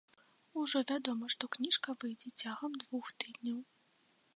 Ужо вядома, што кніжка выйдзе цягам двух тыдняў.